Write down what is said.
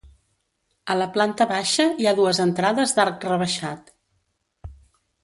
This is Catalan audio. A la planta baixa hi ha dues entrades d'arc rebaixat.